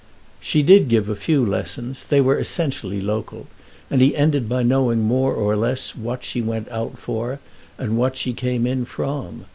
She did give a few lessons; they were essentially local, and he ended by knowing more or less what she went out for and what she came in from.